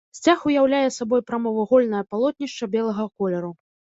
Сцяг уяўляе сабой прамавугольнае палотнішча белага колеру.